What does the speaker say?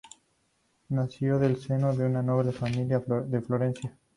Nació en el seno de una noble familia de Florencia.